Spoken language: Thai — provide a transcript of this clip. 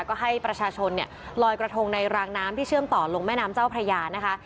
ก็ให้ประชาชนเนี่ยลอยกระทงในรางน้ำที่เชื่อมต่อลงแม่น้ำเจ้าพระยานะคะ